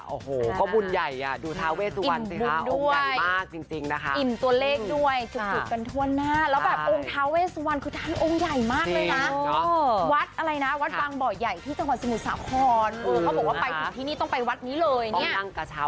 โอ้โหก็บุญใหญ่อ่ะดูท้าเวสวันสิคะองค์ใหญ่มากจริงนะคะ